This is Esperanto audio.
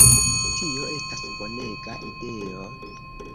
Tio estas bonega ideo!"